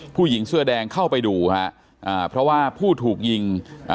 ผู้หญิงเสื้อแดงเข้าไปดูฮะอ่าเพราะว่าผู้ถูกยิงอ่า